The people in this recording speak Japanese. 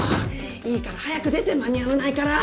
いいから早く出て間に合わないから。